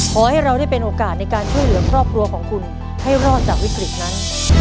ขอให้เราได้เป็นโอกาสในการช่วยเหลือครอบครัวของคุณให้รอดจากวิกฤตนั้น